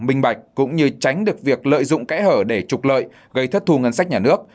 minh bạch cũng như tránh được việc lợi dụng kẽ hở để trục lợi gây thất thù ngân sách nhà nước